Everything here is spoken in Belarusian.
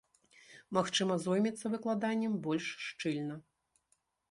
Магчыма, зоймецца выкладаннем больш шчыльна.